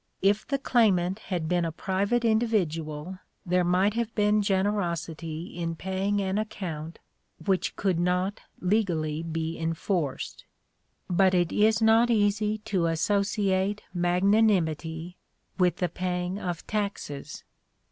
If the claimant had been a private individual there might have been generosity in paying an account which could not legally be enforced ; but it is not easy to associate " magnanimity " with the paying of taxes.